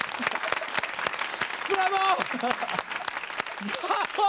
ブラボー！